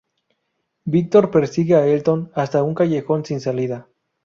Victor persigue a Elton hasta un callejón sin salida.